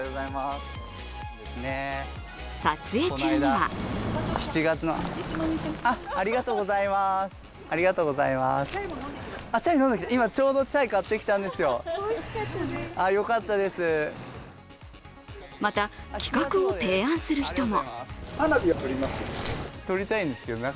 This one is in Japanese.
撮影中にはまた、企画を提案する人も。